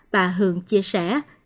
bà hường chia sẻ